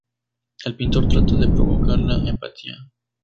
El pintor trata de provocar la empatía.